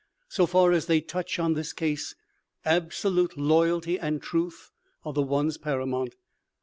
So far as they touch on this case, absolute loyalty and truth are the ones paramount.